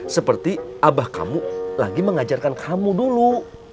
seperti abah kamu lagi mengajarkan kamu dulu